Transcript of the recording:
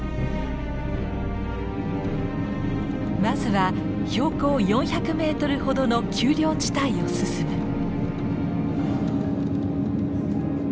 まずは標高４００メートルほどの丘陵地帯を進む。